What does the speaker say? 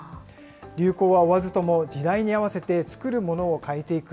流行は追わずとも時代に合わせて作るものを変えていく。